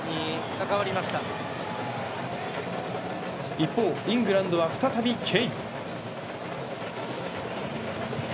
一方イングランドは再びケイン。